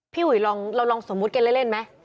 พี่อุ๋ยเราลองสมมุติกันเล่นไหม